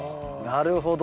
なるほど。